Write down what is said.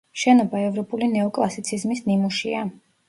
შენობა ევროპული ნეოკლასიციზმის ნიმუშია.